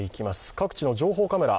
各地の情報カメラ、